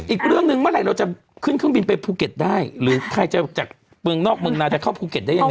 อีกเรื่องหนึ่งเมื่อไหร่เราจะขึ้นเครื่องบินไปภูเก็ตได้หรือใครจะจากเมืองนอกเมืองนาจะเข้าภูเก็ตได้ยังไง